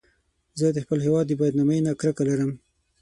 زه د خپل هېواد د بدنامۍ نه کرکه لرم